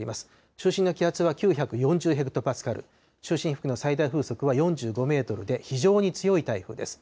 中心の気圧は９４０ヘクトパスカル、中心付近の最大風速は４５メートルで非常に強い台風です。